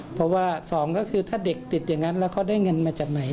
เพราะว่าสองก็คือถ้าเด็กติดอย่างนั้นแล้วเขาได้เงินมาจากไหน